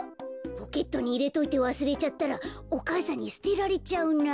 ポケットにいれといてわすれちゃったらお母さんにすてられちゃうな。